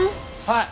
はい！